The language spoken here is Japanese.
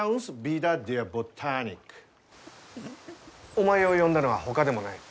お前を呼んだのはほかでもない。